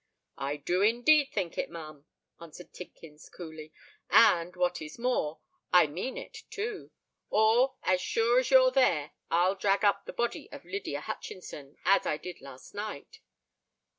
"I do indeed think it, ma'am," answered Tidkins, coolly; "and what is more, I mean it, too—or, as sure as you're there, I'll drag up the body of Lydia Hutchinson, as I did last night!"